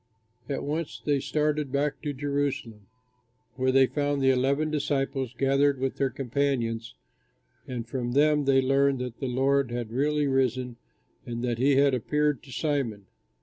At once they started back to Jerusalem, where they found the eleven disciples gathered with their companions, and from them they learned that the Lord had really risen and that he had appeared to Simon.